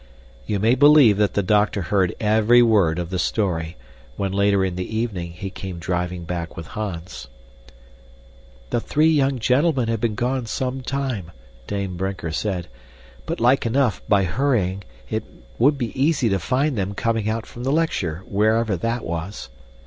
You may believe that the doctor heard every word of the story, when later in the evening he came driving back with Hans. "The three young gentlemen have been gone some time," Dame Brinker said, "but like enough, by hurrying, it would be easy to find them coming out from the lecture, wherever that was."